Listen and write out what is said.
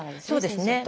そうですね。